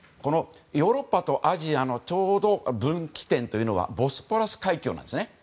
ヨーロッパとアジアのちょうど分岐点というのはボスポラス海峡なんです。